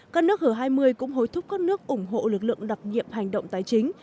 các nước g hai mươi cũng hối thúc các nước ủng hộ lực lượng đặc nhiệm hành động tài chính